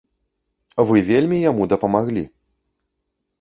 Вы вельмі яму дапамаглі.